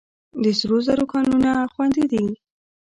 د سرو زرو کانونه خوندي دي؟